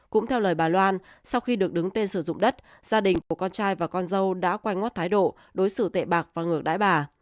cũng theo lời bà loan sau khi được đứng tên sử dụng đất gia đình của con trai và con dâu đã quay ngót thái độ đối xử tệ bạc và ngược đãi bà